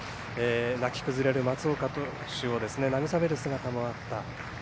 泣き崩れる松岡投手を慰める姿もあった。